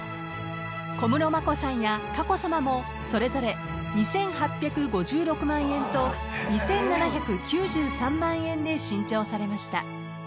［小室眞子さんや佳子さまもそれぞれ２，８５６万円と２，７９３万円で新調されました］